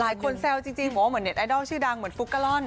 หลายคนแซวจริงหัวเหมือนเน็ตไอดอลชื่อดังเหมือนฟุกกะล่อน